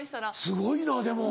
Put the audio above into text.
すごいなでも。